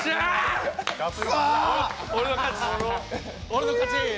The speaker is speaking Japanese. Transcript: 俺の勝ちー！